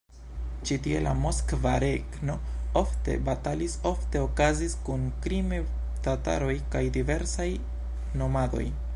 Ĉi tie la Moskva Regno ofte batalis ofte okazis kun krime-tataroj kaj diversaj nomadoj.